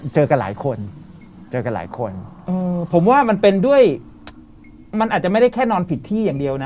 เจอกันหลายคนเจอกันหลายคนเออผมว่ามันเป็นด้วยมันอาจจะไม่ได้แค่นอนผิดที่อย่างเดียวนะ